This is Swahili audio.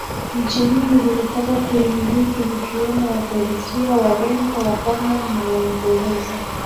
Nchi nyingi zilitaka kuimiliki zikiwemo wapersia wareno waoman na waingereza